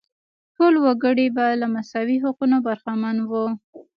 ټول وګړي به له مساوي حقونو برخمن وو.